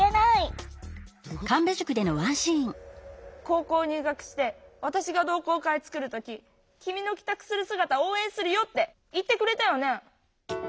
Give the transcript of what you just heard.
高校入学して私が同好会作る時君の帰宅する姿応援するよって言ってくれたよね？